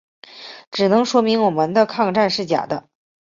只能说明我们的抗战是假的。